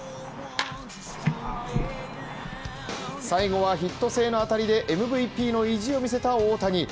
最後はヒット性の当たりでＭＶＰの意地を見せた大谷。